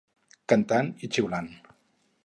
Cantant i xiulant.